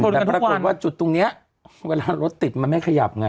แต่ปรากฏว่าจุดตรงนี้เวลารถติดมันไม่ขยับไง